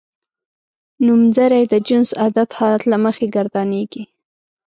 نومځری د جنس عدد حالت له مخې ګردانیږي.